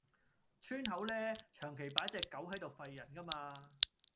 村口呢，長期擺隻狗喺度吠人㗎嘛